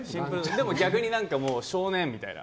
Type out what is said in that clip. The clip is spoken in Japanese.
でも逆に、少年！みたいな。